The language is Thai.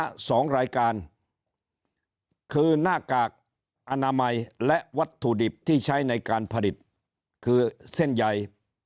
แล้วสองรายการคือหน้ากากอนามัยและวัตถุดิบที่ใช้ในการผลิตคือเส้นใหญ่